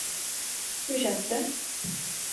Hur känns det?